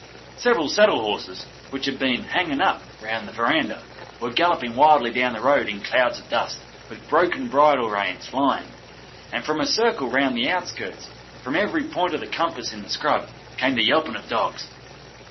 Several saddle horses, which had been 'hanging up' round the verandah, were galloping wildly down the road in clouds of dust, with broken bridle reins flying; and from a circle round the outskirts, from every point of the compass in the scrub, came the yelping of dogs.